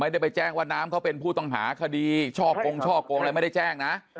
ได้ไปแจ้งว่าน้ำเขาเป็นผู้ต้องหาคดีช่อกงช่อกงอะไรไม่ได้แจ้งนะ